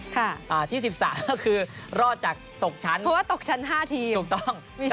ที่๑๓ก็คือรอดจากตกชั้นเพราะว่าตกชั้น๕ทีมถูกต้อง